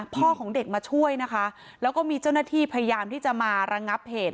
ของเด็กมาช่วยนะคะแล้วก็มีเจ้าหน้าที่พยายามที่จะมาระงับเหตุ